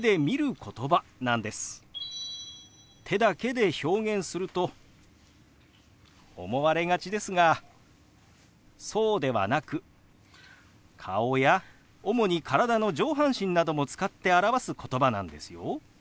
手だけで表現すると思われがちですがそうではなく顔や主に体の上半身なども使って表すことばなんですよ。